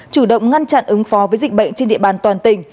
chủ động ngăn chặn ứng phó với dịch bệnh trên địa bàn toàn tỉnh